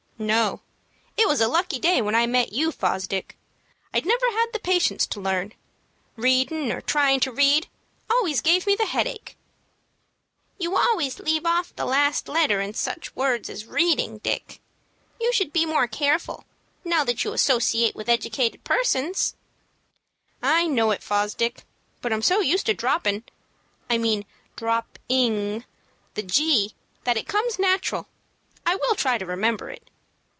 "No. It was a lucky day when I met you, Fosdick. I'd never have had the patience to learn. Readin', or tryin' to read, always gave me the headache." "You always leave off the last letter in such words as 'reading,' Dick. You should be more careful, now that you associate with educated persons." "I know it, Fosdick, but I'm so used to droppin' I mean dropping the g that it comes natural. I will try to remember it.